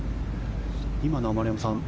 今のは丸山さん。